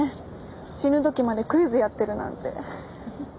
死ぬ時までクイズやってるなんて。